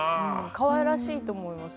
かわいらしいと思います